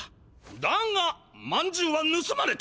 だがまんじゅうはぬすまれた！